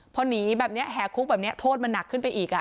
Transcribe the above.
พอหนีแบบนี้แห่คุกแบบนี้โทษมันหนักขึ้นไปอีก